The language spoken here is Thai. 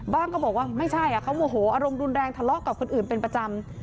ก็บอกว่าไม่ใช่เขาโมโหอารมณ์รุนแรงทะเลาะกับคนอื่นเป็นประจำ